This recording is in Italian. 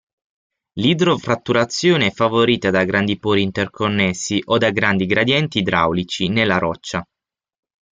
L'idrofratturazione è favorita da grandi pori interconnessi o da grandi gradienti idraulici nella roccia.